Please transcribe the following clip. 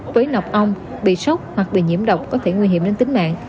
với nọc ong bị sốc hoặc bị nhiễm độc có thể nguy hiểm đến tính mạng